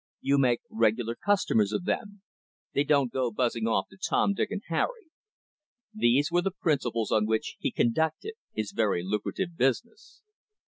You make regular customers of them. They don't go buzzing off to Tom, Dick, and Harry." These were the principles on which he conducted his very lucrative business.